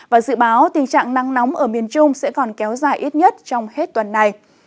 và dự báo tình trạng nắng nóng ở miền trung sẽ còn kéo dài ít nhất trong hết tuần này